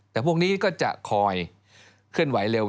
แต่พวกนี้ก็จะคอยเคลื่อนไหวเร็ว